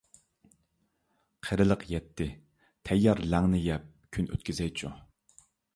قىرىلىق يەتتى، تەييار «لەڭ»نى يەپ كۈن ئۆتكۈزەيچۇ!